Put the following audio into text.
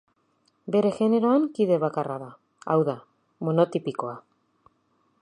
Bere generoan kide bakarra da, hau da, monotipikoa.